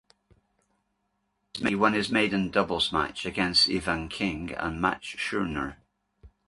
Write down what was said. He won his maiden doubles match against Evan King and Max Schnur.